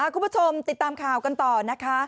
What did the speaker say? คุณผู้ชมติดตามข่าวกันต่อนะคะ